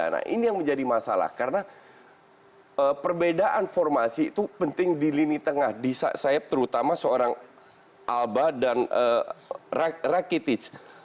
nah ini yang menjadi masalah karena perbedaan formasi itu penting di lini tengah di sayap terutama seorang alba dan rakitic